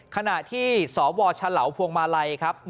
ขณะที่สวฉลาวพวงมาลัยครับ